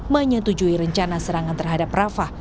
menyetujui rencana serangan terhadap rafah